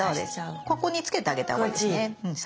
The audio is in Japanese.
ここにつけてあげたほうがいいですね。